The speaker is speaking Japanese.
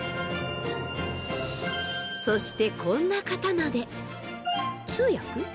そしてこんな方まで。